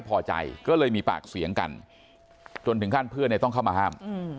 พอใจก็เลยมีปากเสียงกันจนถึงขั้นเพื่อนเนี่ยต้องเข้ามาห้าม